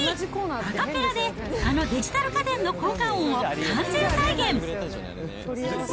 アカペラであのデジタル家電の効果音を完全再現。